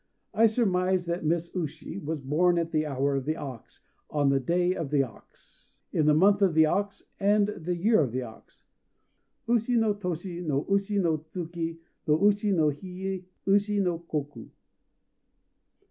I surmise that Miss Ushi was born at the Hour of the Ox, on the Day of the Ox, in the Month of the Ox and the Year of the Ox "_Ushi no Toshi no Ushi no Tsuki no Ushi no Hi no Ushi no Koku.